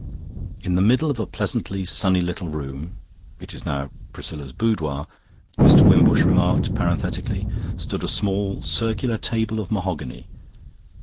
"In the middle of a pleasantly sunny little room 'it is now Priscilla's boudoir,' Mr. Wimbush remarked parenthetically stood a small circular table of mahogany.